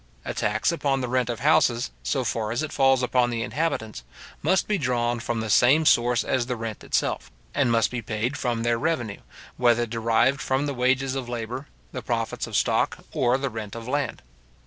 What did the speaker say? A tax upon the rent of houses, so far as it falls upon the inhabitants, must be drawn from the same source as the rent itself, and must be paid from their revenue, whether derived from the wages of labour, the profits of stock, or the rent of land.